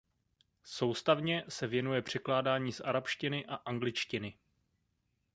Soustavně se věnuje překládání z arabštiny a angličtiny.